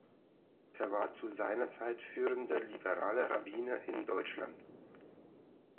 Er war zu seiner Zeit führender liberaler Rabbiner in Deutschland.